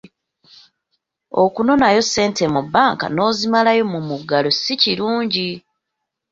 Okunoonayo ssente mu banka n’ozimalayo mu muggalo si kirungi.